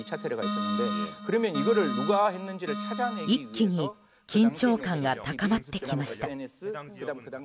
一気に緊張感が高まってきました。